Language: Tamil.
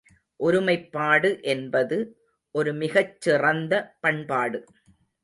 ஒருமைப்பாடு என்பது ஒரு மிகச் சிறந்த பண்பாடு.